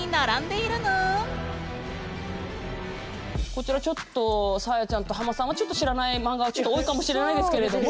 こちらちょっとサーヤちゃんとハマさんは知らないマンガが多いかもしれないですけれども。